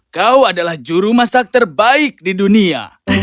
kau adalah juru masak terbaik di dunia